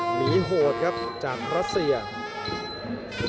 หมีโหดครับจากประเศษ